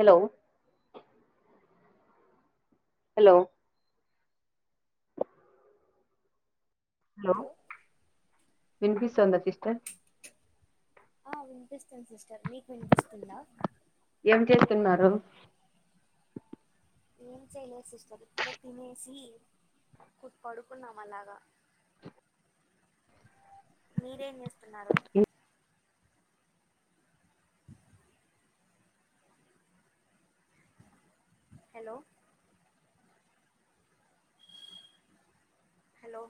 Hollow hello hello వినిపిస్తుందా sister ఆ వినిపిస్తుంది సిస్టర్ నీకు వినిపిస్తుందా ఏం చేస్తున్నారు ఏం చేయలేదు సిస్టర్ ఇప్పుడే తినేసి పడుకున్నాం అలాగా [inaudible] మీరేం చేస్తున్నారు hello hello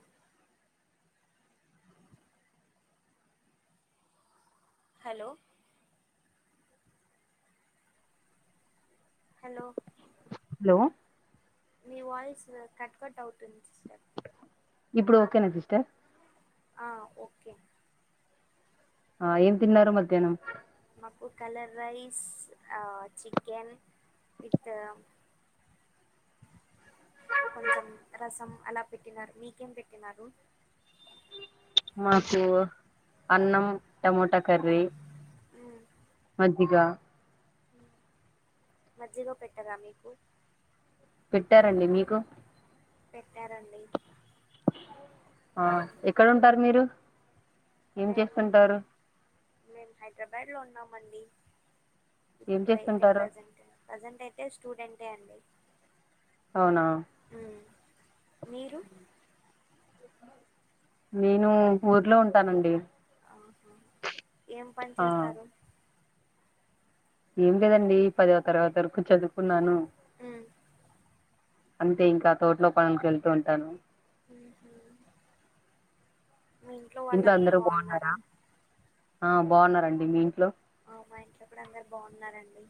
hello hello hello మీ వాయిస్ కట్కట్ అవుతుంది సిస్టర్ ఇప్పుడు ఓకేనా సిస్టర్ ఆ ఓకే ఆ ఏం తిన్నారు మధ్యాహ్నం మాకు కలర్ రైస్ ఆ చికెన్ విత్ [inaudible] కొంచెం రసం అలా పెట్టినారు మీకేం పెట్టినారు మాకు అన్నం టమోటా కర్రీ మ్మ్. మజ్జిగ మజ్జిగ పెట్టరా మీకు పెట్టారండి మీకు పెట్టారండి ఆ ఎక్కడ ఉంటారు మీరు ఏం మేము చేస్తుంటారు మేము హైదరాబాద్లో ఉన్నామండి ఏం ఇప్పుడైతే చేస్తుంటారు ప్రజెంట్ ప్రజెంట్ అయితే స్టూడెంటే అండి అవునా ఉమ్ మీరు నేను ఊర్లో ఉంటానండి ఆహా ఏం పని ఆ చేస్తారు ఏం లేదండి పదవ తరగతి వరకు చదువుకున్నాను. ఉ అంతే ఇంకా తోట్లో పనులకి వెళ్తూ ఉంటాను ఉ హు ఇంట్లో అందరు బాగున్నారా ఆ బాగున్నారండి మీ ఇంట్లో. ఆ మా ఇంట్లో కూడా అందరు బాగున్నారండి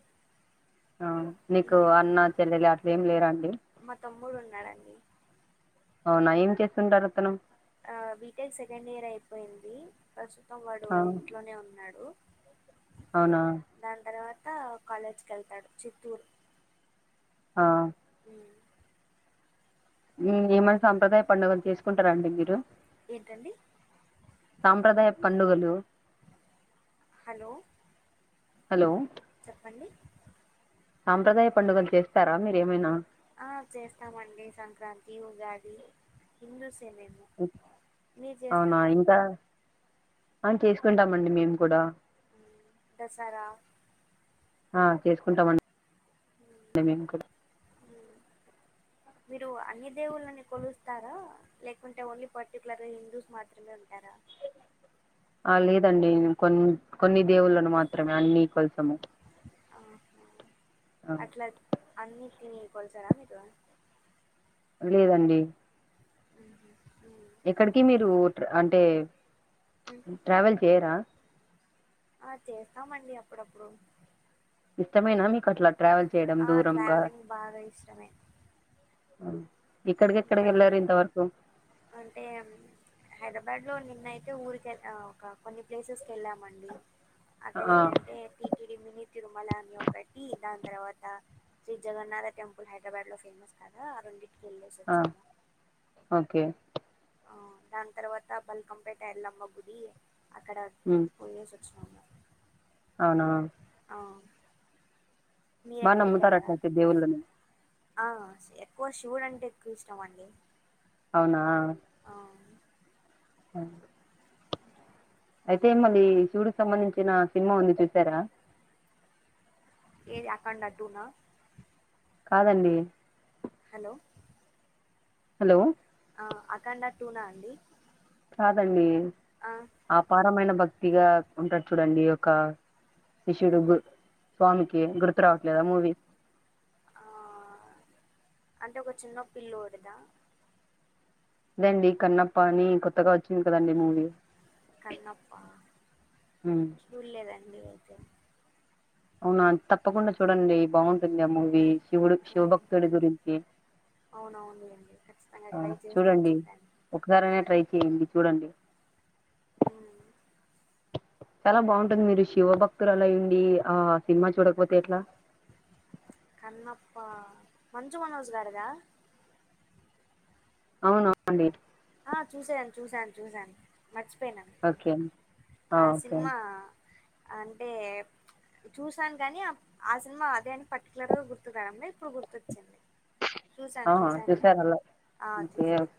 ఆ నీకు ఉమ్ అన్న చెల్లెలి అట్లేమ్ లేరా అండి మా తమ్ముడు ఉన్నాడండి అవునా ఏం చేస్తుంటారు అతను ఆ బిటెక్ సెకండ్ ఇయర్ అయిపోయింది ప్రస్తుతం వాడు ఆ ఇంట్లోనే ఉన్నాడు. అవునా దాన్ తర్వాత కాలేజ్కి వెళ్తాడు చిత్తూరు ఆ [inaudible] ఉ ఏమన్నా సాంప్రదాయ పండుగలు చేసుకుంటారండి మీరు. ఏంటండి సాంప్రదాయ పండుగలు హలో హలో చెప్పండి సాంప్రదాయ పండుగలు చేస్తారా మీరు ఏమైనా ఆ చేస్తామండి సంక్రాంతి ఉగాది హిందూస్ అవునా ఇంకా ఆ చేసుకుంటామండి మేము కూడా దసరా ఆ చేసుకుంటామండి మేము కూడా మ్మ్. మీరు అన్ని దేవుళ్ళని కొలుస్తారా లేకుంటే ఓన్లీ పర్టికులర్ గా హిందూస్ మాత్రమే ఉంటార్ [inaudible] ఆ లేదండి మేమ్ కొన్ కొన్ని దేవుళ్ళలను మాత్రమే అన్ని కొలసము. ఆహా అట్లా అన్నిటిని కొల్చారా మీరు లేదండి [inaudible] ఎక్కడికి మీరు ట్ర్ అంటే మ్మ్. ట్రావెల్ చేయరా ఆ చేస్తామండి అప్పుడప్పుడు ఇష్టమేనా మీకు అట్లా ట్రావెల్ చేయడం ఆ దూరంగా ట్రావెలింగ్ బాగా ఇష్టమే ఎక్కడికి ఎక్కడికి బట్ వెళ్ళారు ఇంతవరకు అంటే హైదరాబాద్ లో నిన్నయితే ఊరికే ఒక కొన్ని ప్లేసెస్ వెళ్ళామండి అక్కడ ఆ ఏంటంటే టీటిడి మిని తిరుమల అని ఒకటి దాన్ తర్వాత శ్రీ జగన్నాథ టెంపుల్ హైదరాబాద్ లో ఫేమస్ కదా ఆ ఉంది. వెళ్లేసి ఆ వచ్చాము ఓకే ఆ దాని తర్వాత బల్కంపేట ఎల్లమ్మ గుడి అక్కడ ఉమ్ పోయేసి చాము అవునా మీరు బా ఎక్కడికి నమ్ముతారు వెళ్ళారా అట్లాయితే దేవులన్ని ఆ ఎక్కువ శివుడు అంటే ఎక్కువ ఇష్టం అండి అవునా ఆ [unintelligible] అయితే మళ్లీ శివుడికి సంబంధించిన సినిమా ఉంది చూసారా. ఏది అకౌంట్ అడ్డునా కాదండి హలో హలో అఖండ అడ్డునా అండి కాదండి ఆ ఆపారమైన భక్తిగా ఉంటారు చూడండి ఒక శిషుడు గు స్వామికి గుర్తు రావట్లేదా మూవి ఆ అంటే ఒక చిన్న పిల్లోడిదా అదేనండి కన్నప్ప అని కొత్తగా వచ్చింది కదండి మూవీ కన్నప్ప చుల్దా అవునా తప్పకుండా చూడండి బాగుంటుంది ఆ మూవీ శివుడు శివభక్తుడి గురించి అవునవుంది అండి ఖచ్చితంగా ట్రై చేస్తాను చుడి ఒకసారి అ ట్రై చేయండి చూడండి ఉమ్. చాలా బాగుంటది మీరు శివభక్తులు అయుండి ఆ సినిమా చూడకపోతే ఎట్లా కన్నప్ప మంజు మనోజ్ గారదా అవునా అండి ఆ చూసాను చూసాను చూసాను మర్చిపోయినాను ఓకే అండి, ఆ సినిమా అంటే చూసాను కాని ఆ సినిమా అదే అని పర్టికుయలర్ గా గుర్తు రావడంలా ఇప్పుడు గుర్తొచ్చింది చూసాను ఆ చూసారు చూసానులాండి అలా ఆ ఓకే చూశాను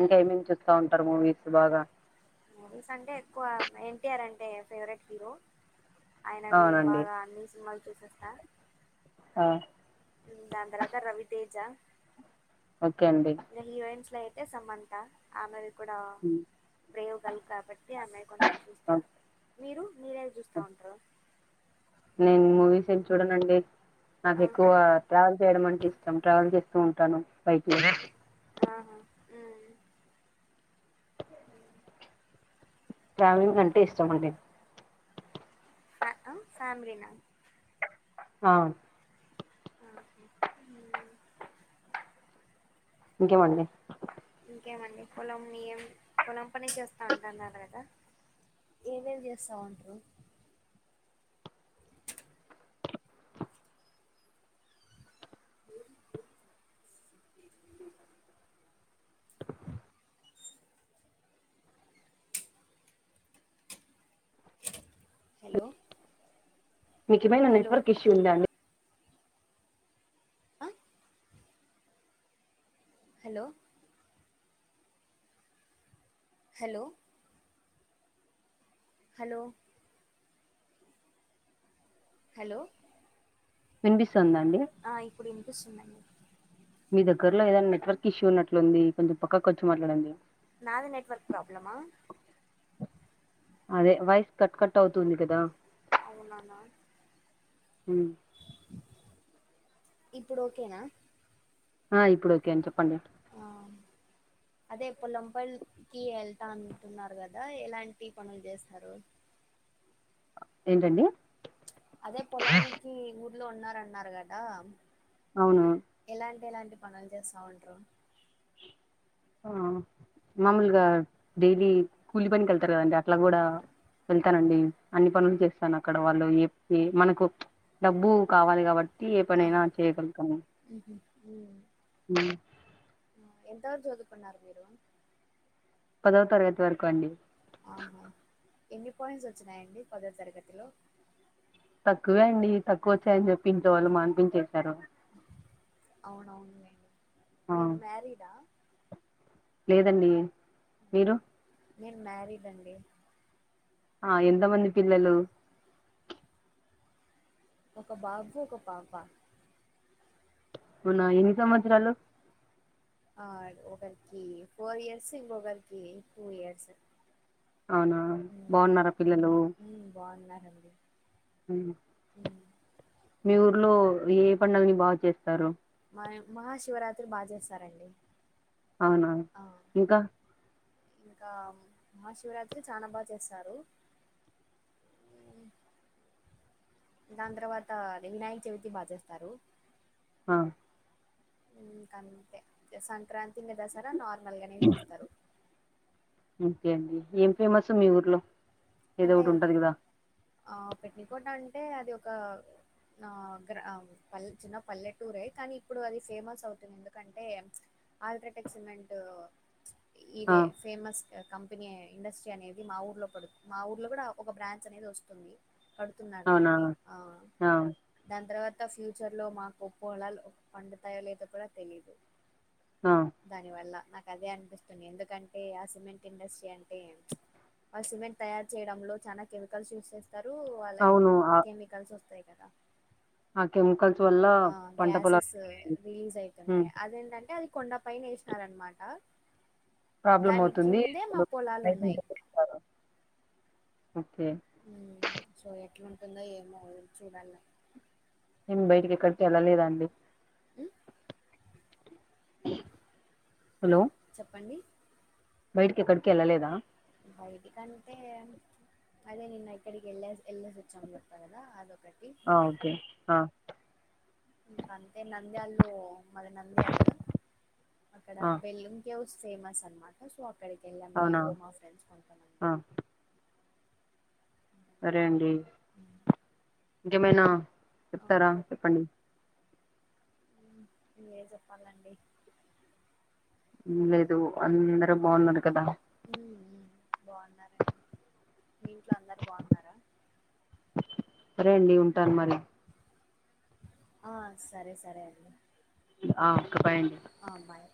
ఇంకా ఏమేమి చూస్తా ఉంటారు మూవీస్ బాగా మూవీస్ అంటే ఎక్కువ ఎన్టీఆర్ అంటే ఫేవరెట్ హీరో ఆయనవి అవునండి బాగా అన్ని సినిమాలు చూసేస్తా ఆ దాని తర్వాత రవితేజ ఓకే అండి ఇ హీరోయిన్స్ల సమంత ఆమెది కూడా ఉమ్, బ్రేవ్ గార్ల్ కాబట్ట్ ఇ అమ్మాయి కొంచెం చూస్తాను ఓకే. మీరు మీరేవి చూస్తా ఉంటారు నేను మూవీస్ ఏం చూడంనండి నాకు ఆ ఎక్కువ ట్రావెల్ చేయడం అంటే ఇష్టాం ట్రావెల్ చేస్త ఉంటాను పైకి ఆహా హ్మ్ హ [inaudible] ట్రావెలింగ్ అంటే ఇష్టం అండి ఫ్యామిలీ నా హా ఆహ హ్మ్మ్ ఇంకేం మండి ఇంకేమండి పొలం నీయం పొలం పని చేస్తా అంటాన్నారు గదా ఏమేమి చేస్తావుంటారు అ హలో మీకేమైనా హలో నెట్వర్క్ ఇష్యూ ఉందా అండి ఆ హలో హలో హలో హలో వినిపిస్ అ ఇప్పుడు ఇనిపిసున్నాయి మీ దగ్గరలో ఏదైనా నెట్వర్క్ ఇష్యూ ఉన్నట్లుంది కొంచెం పక్కకొచ్చి మాట్లాడండి నాది నెట్వర్క్ ప్రాబ్లమా అదే వాయిసు కట్ కట్ అవుతుంది కదా అవునానా ఉమ్. ఇప్పుడు ఓకేనా ఆ ఇప్పుడు ఓకే అ [unintelligible] చెప్పండి. ఆ అదే పొలం పల్ల్కి వెళ్తా అంటున్నారు గదా! ఎలాంటి పనులు చేస్తారు. ఏంటండి అదే పొలానికి ఊర్లో ఉన్నారన్నారు గదా! అవును ఎలాంటి పనులు చేస్తా ఉంటారు. ఆ మామూలుగా డైలీ కూలి పనికి వెళ్తారు, కదండి అట్లా కూడా. వెళ్తానండి అన్ని పనులు చేస్తాను అక్కడ వాళ్ళు ఏప్ ఏ మనకు. డబ్బు కావాలి కాబట్టి ఏ పనైనా చేయగలుగుతాను. హ్మ్ హ్మ్ ఎంత వరకు చదువుకున్నారు మీరు. పదవ తరగతి వరకు అండి ఆహా, ఎన్ని పాయింట్స్ వచ్చినాయండి పదో తరగతిలో. తక్కువే అండి తక్కువ వచ్చాయని చెప్పి ఇంట్లో వాళ్ళు మాన్పించేశారు. అవునవులేండి ఆ మీరు మ్యారీడా. లేదండి మీరు నేను మ్యారీడ్ అండి అ ఎంతమంది పిల్లలు ఒక బాబు, ఒక పాప. అవున ఎన్ని సంవత్సరాలు? ఆ ఒకరికి ఫోర్ ఇయర్స్, ఇంగోగరికి టూ ఇయర్స్. అవునా ఉమ్ బావున్నారా పిల్లలు. ఉమ్ బాగున్నారండి [unintelligible] ఉమ్ మీ ఊర్లో ఏ పండగని బాగా చేస్తారు. మ [unintelligible] మహాశివరాత్రి బాగా చేస్తారండి. అవున ఆ ఇంకా ఇంకా మహాశివరాత్రి చానా బా చేస్తారు. ఉమ్, అ దాని తర్వాత అది వినాయక చవితి బా చేస్తారు. అ ఇంకంతే సంక్రాంతి, ఇంగ దసరా నార్. ఇంకేండి ఏం ఉమ్, ఫేమస్ మీ ఊర్లో. ఏదో అంటే ఒకటి ఇగ ఉంటది కదా ఆ పెట్నికోట అంటే అది ఒక. నా గ్రా పల్ చిన్న పల్లెటూరే, కానీ ఇప్పుడు అది ఫేమస్ అవుతుంది ఎందుకంటే? అల్ట్రాటెక్ సిమెంటు ఆ ఇదే ఫేమస్ క కంపెనీ ఇండస్ట్రీ అనేది మా ఊర్లో పడు. మా ఊర్లో కూడా ఒక బ్రాంచ్ అనేది వస్తుంది. కడుతున్నారు అవునా దాన్ని ఆ ఆ దాని తర్వా త ఫ్యూచర్లో మాకు పొలాలు పండుతాయలేదో కూడా తెలీదు? ఆ దాని వల్ల నాకు అదే అనిపిస్తుంది, ఎందుకంటే ఆ సిమెంట్ ఇండస్ట్రీ అంటే ఆ సిమెంట్. తయారు చేయడంలో చాలా కెమికల్స్ యూజ్స్ చేస్తారు, అలా అవును ఆ కెమికల్స్ వస్తాయి. కదా ఆ కెమికల్ ఆ గ్యాసెస్ రిలీజ్ అయితుంటాయి అదేంటంటే అది. కొండపైనే ఏసినారనమాట ప్రాబ్లం అవుతుంది. ఉన్నాయి [inaudible] ఓకే ఏందో ఏమో చూడాల. నేను బయటకి ఎక్కడికి వెళ్ళలేదండి మ్మ్ హలో చెప్పండి బయటికి ఎక్కడికెళ్లలేదా బయటి కంటే అదే నిన్న ఎక్కడికి వెళ్ళేసి ఎల్లేసొచ్చాం అని చెప్ప గాద అదొ ఒకటి ఆ ఓకే ఆ ఇంకా అంతే నంద్యలో మరి నంద్యాల అక్కడ ఆ బెల్లున్ కేవ్స్ సేమస్ అనమాట సో అక్కడికి వెళ్ళాం అవునా నేను మా ఫ్రెండ్స్ కొంతమంది ఆ సరే అండి ఇంకేమైనా చెప్తారా చెప్పండి మీరే చెప్పాల అండి హ్మ్ లేదు అందరు బావున్నారు కద మ్మ్ బాగున్నారండి మీ ఇంట్లో అందరు బాగున్నారా రెండ్యూం ఆ సరే సరే అండి ఆ ఓకే బాయ్ అండి ఆ బాయ్